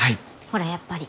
ほらやっぱり。